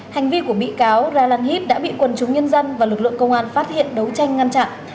hành vi của bị cáo ra lăng hip đã bị quần chúng nhân dân và lực lượng công an phát hiện đấu tranh ngăn chặn